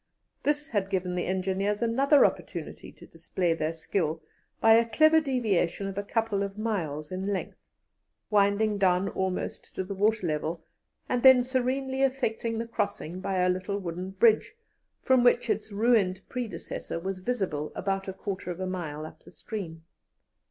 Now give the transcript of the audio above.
This had given the engineers another opportunity to display their skill by a clever deviation of a couple of miles in length, winding down almost to the water level, and then serenely effecting the crossing by a little wooden bridge, from which its ruined predecessor was visible about a quarter of a mile up the stream.